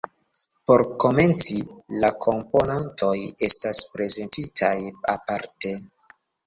Por komenci, la komponantoj estas prezentitaj aparte.